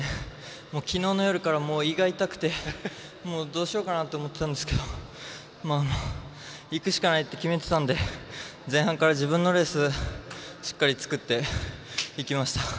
きのうの夜から胃が痛くてどうしようかなと思ってたんですけどいくしかないって決めてたんで前半から自分のレースをしっかり作っていきました。